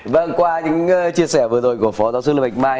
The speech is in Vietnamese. và qua những chia sẻ vừa rồi của phó giáo sư lâm bạch mai